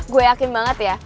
gue yakin banget ya